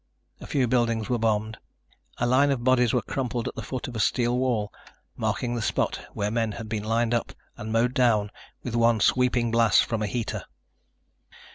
A few buildings were bombed. A line of bodies were crumpled at the foot of a steel wall, marking the spot where men had been lined up and mowed down with one sweeping blast from a heater.